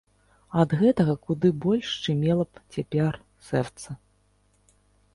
Ад гэтага куды больш шчымела б цяпер сэрца.